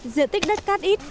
diện tích đất cát ít